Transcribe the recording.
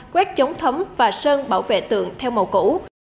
quét chống thấm và sơn bảo vệ tượng theo màu củ